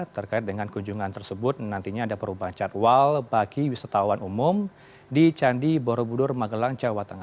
terkait dengan kunjungan tersebut nantinya ada perubahan jadwal bagi wisatawan umum di candi borobudur magelang jawa tengah